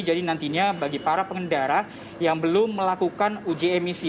jadi nantinya bagi para pengendara yang belum melakukan uji emisi